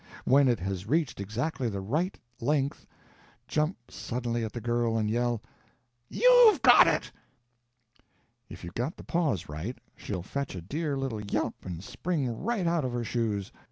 When it has reached exactly the right length, jump suddenly at that girl and yell, "You've got it!") If you've got the _pause _right, she'll fetch a dear little yelp and spring right out of her shoes.